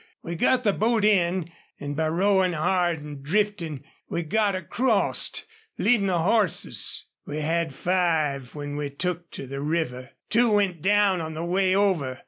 We got the boat in, an' by rowin' hard an' driftin' we got acrost, leadin' the hosses. We had five when we took to the river. Two went down on the way over.